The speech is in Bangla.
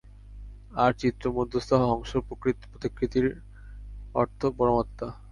আর চিত্রমধ্যস্থ হংসপ্রতিকৃতিটির অর্থ পরমাত্মা।